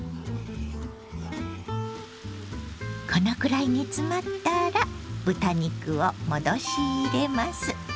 このくらい煮詰まったら豚肉を戻し入れます。